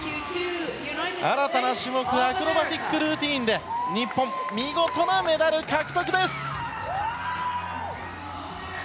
新たな種目アクロバティックルーティンで日本、見事なメダル獲得です。